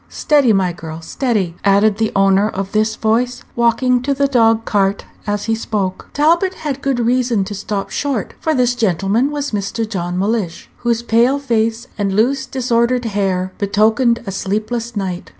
Steady, my girl, steady!" added the owner of this voice, walking to the dog cart as he spoke. Talbot had good reason to stop short, for this gentleman was Mr. John Mellish, whose pale face, and loose, disordered hair betokened a sleepless night.